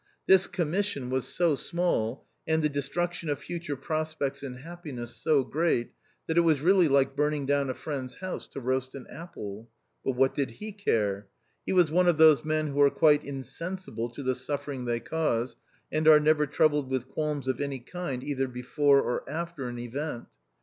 This commission i/6 THE OUTCAST. was so small, and the destruction of future prospects and happiness so great, that it was really like burning down a friend's house to roast an apple. But what did he care % He was one of those men who are quite insen sible to the suffering they cause, and are never troubled with qualms of any kind either before or after an event.